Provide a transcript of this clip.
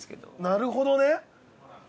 なるほどね。